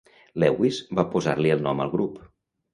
Lewis va posar-li el nom al grup.